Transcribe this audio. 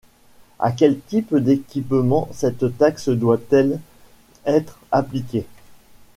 À quel type d’équipement cette taxe doit-elle être appliquée ?